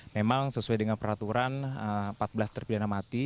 memang sesuai dengan peraturan empat belas terpi dana mati